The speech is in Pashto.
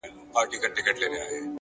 هره لاسته راوړنه له زحمت ځواک اخلي,